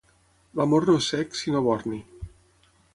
L'amor no és cec, sinó borni.